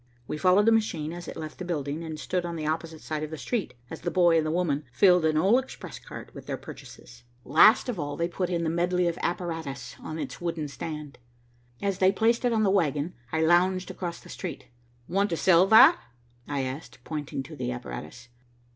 We followed the machine as it left the building, and stood on the opposite side of the street, as the boy and the woman filled an old express cart with their purchases. Last of all they put in the medley of apparatus on its wooden stand. As they placed it on the wagon, I lounged across the street. "Want to sell that?" I asked, pointing to the apparatus.